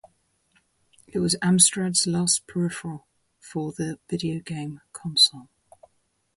It was Amstrad's last peripheral for the video game console.